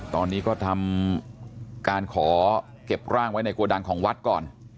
ตอนนี้ก็ทำการขอเก็บร่างไว้ในโกดังของวัดก่อน